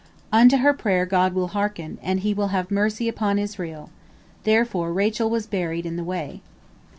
Unto her prayer God will hearken, and He will have mercy upon Israel. Therefore was Rachel buried in the way.